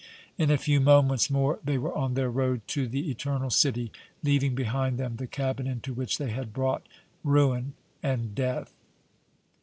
In a few moments more they were on their road to the Eternal City, leaving behind them the cabin into which they had brought ruin and death!